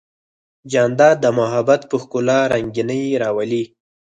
جانداد د محبت په ښکلا رنګینی راولي.